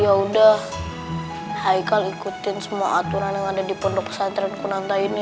ya udah haikal ikutin semua aturan yang ada di pondok pesantren kunanta ini